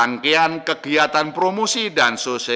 untuk memperkuatkan kekuatan ekonomi dan keuangan digital